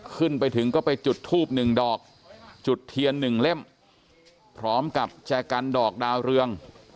ขึ้นไปถึงก็ไปจุดทูบหนึ่งดอกจุดเทียนหนึ่งเล่มพร้อมกับแจกันดอกดาวเรือง